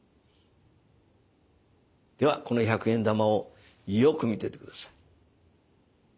ではこの１００円玉をよく見ててください。